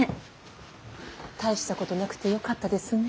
大したことなくてよかったですね。